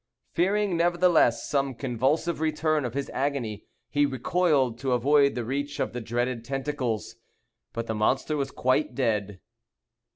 Fearing, nevertheless, some convulsive return of his agony he recoiled to avoid the reach of the dreaded tentacles. But the monster was quite dead.